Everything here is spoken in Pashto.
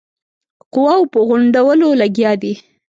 قواوو په غونډولو لګیا دی.